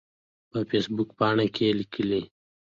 په فیسبوک پاڼه کې کې لیکلي